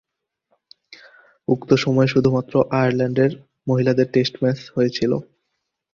উক্ত সময়ে শুধুমাত্র আয়ারল্যান্ডের মহিলাদের টেস্ট ম্যাচ হয়েছিল।